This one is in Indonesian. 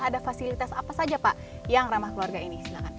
ada fasilitas apa saja pak yang ramah keluarga ini